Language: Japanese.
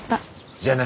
じゃあな。